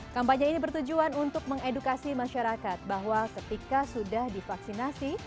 kampanye ini bertujuan untuk mengedukasi masyarakat bahwa ketika sudah divaksinasi